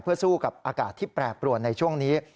สู้กับอากาศที่แปรปรวนในช่วงนี้